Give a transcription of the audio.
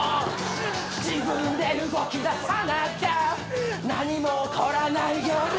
「自分で動き出さなきゃ何も起こらない夜に」